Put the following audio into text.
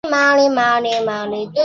圣埃瓦尔泽克人口变化图示